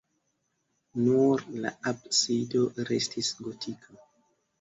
Nur la absido restis gotika.